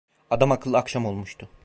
Adamakıllı akşam olmuştu.